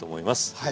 はい。